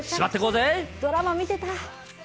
ドラマ見てた。